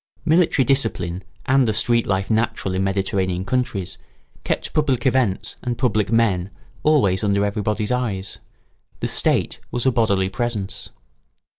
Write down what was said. Military discipline and the street life natural in Mediterranean countries, kept public events and public men always under everybody's eyes: the state was a bodily presence.